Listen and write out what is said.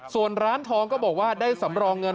ส่วนร้านทองก็บอกว่าได้สำรองเงิน